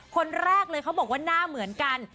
คนแรกเลยเขาบอกว่าหน้าเหมือนกัน